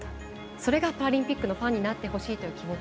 それがパラリンピックのファンになってほしいという気持ち。